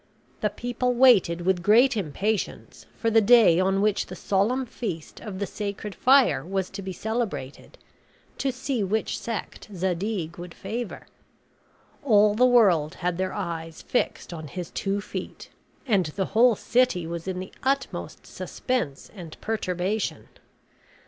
The people waited with great impatience for the day on which the solemn feast of the sacred fire was to be celebrated, to see which sect Zadig would favor. All the world had their eyes fixed on his two feet, and the whole city was in the utmost suspense and perturbation.